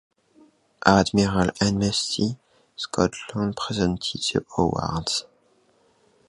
Admiral Emory Scott Land presented the award.